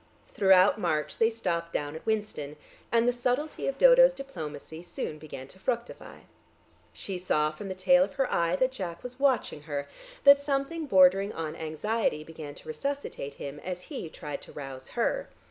Throughout March they stopped down at Winston, and the subtlety of Dodo's diplomacy soon began to fructify. She saw from the tail of her eye that Jack was watching her, that something bordering on anxiety began to resuscitate him, as he tried to rouse her.